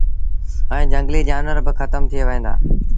ائيٚݩ جھنگليٚ جآنور با کتم ٿئي وهيݩ دآ۔